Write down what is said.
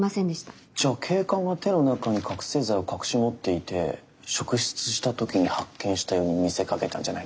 じゃあ警官が手の中に覚醒剤を隠し持っていて職質した時に発見したように見せかけたんじゃないですか？